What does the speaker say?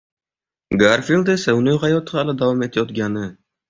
Garfild esa uning hayoti hali davom etayotgani